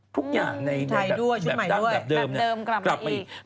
ทุกอย่างในแบบเดิมกลับไปอีก